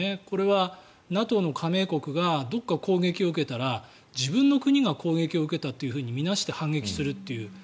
これはＮＡＴＯの加盟国がどこか攻撃を受けたら自分の国が攻撃を受けたって見なして反撃するという。